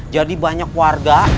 jadi banyak warga